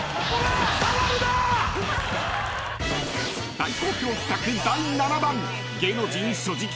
［大好評企画第７弾］